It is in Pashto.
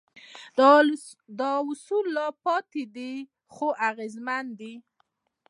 دا اصول لا پټ پاتې دي خو اغېزمن دي.